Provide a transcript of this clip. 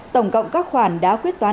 tổng cộng các khoản đã quyết toán